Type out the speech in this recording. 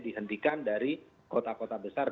dihentikan dari kota kota besar